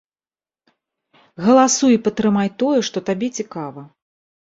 Галасуй і падтрымай тое, што табе цікава!